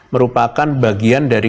merupakan bagian dari